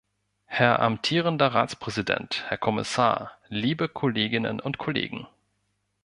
Herr amtierender Ratspräsident, Herr Kommissar, liebe Kolleginnen und Kollegen!